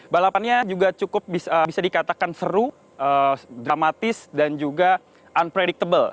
balapannya juga cukup bisa dikatakan seru dramatis dan juga unpredictable